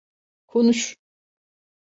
Konuş!